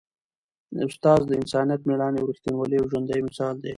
استاد د انسانیت، مېړانې او ریښتینولۍ یو ژوندی مثال دی.